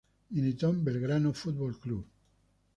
Militó en Belgrano Football Club.